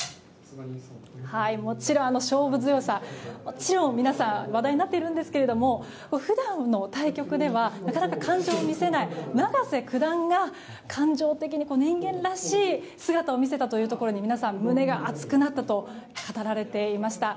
もちろん勝負強さも話題になっているんですけど普段の対局では、なかなか感情を見せない永瀬九段が感情的に人間らしい姿を見せたところに皆さん、胸が熱くなったと語られていました。